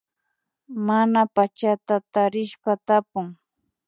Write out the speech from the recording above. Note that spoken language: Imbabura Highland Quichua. Mana pachata tarishpa tapun